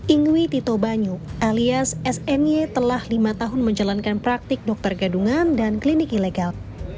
ingwi tito banyu alias sny telah lima tahun menjalankan praktik dokter gadungan dan klinik ilegal